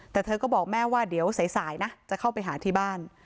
แต่เธอก็บอกแม่ว่าเดี๋ยวสายนะจะเข้าไปหาที่บ้าน